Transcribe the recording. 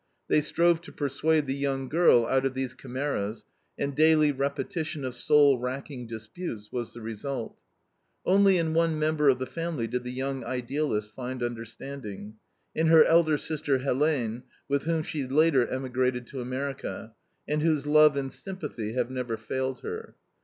They strove to persuade the young girl out of these chimeras, and daily repetition of soul racking disputes was the result. Only in one member of the family did the young idealist find understanding in her elder sister, Helene, with whom she later emigrated to America, and whose love and sympathy have never failed her.